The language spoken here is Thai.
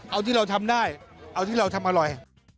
เอาที่เราทำได้เอาที่เราทำอร่อย